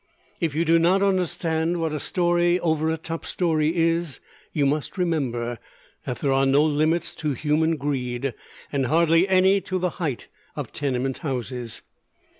If you do not understand what a story over a top story is, you must remember that there are no limits to human greed, and hardly any to the height of tenement houses.